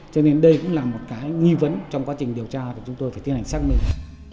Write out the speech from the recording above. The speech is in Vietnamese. cho nên đây cũng là một cái nghi vấn trong quá trình điều tra thì chúng tôi phải tiến hành xác minh